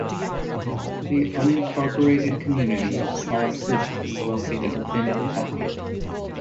The unincorporated community of Slab City is located within the town.